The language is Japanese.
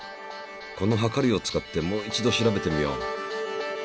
このはかりを使ってもう一度調べてみよう。